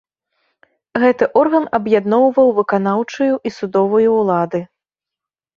Гэты орган аб'ядноўваў выканаўчую і судовую ўлады.